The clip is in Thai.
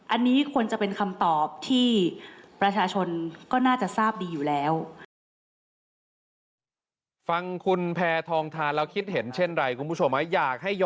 อันนี้ควรจะเป็นคำตอบที่